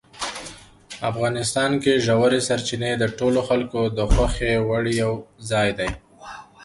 افغانستان کې ژورې سرچینې د ټولو خلکو د خوښې وړ یو ځای دی.